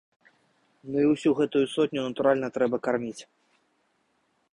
Ну і ўсю гэтую сотню, натуральна, трэба карміць.